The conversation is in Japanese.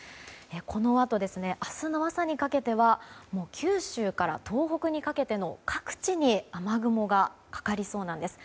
このあと明日の朝にかけては九州から東北にかけての各地に雨雲がかかりそうなんです。